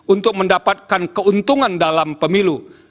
untuk mendapatkan keuntungan dalam pemilu